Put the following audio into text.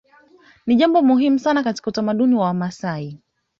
Ni jambo muhimu sana katika utamaduni wa Wamasai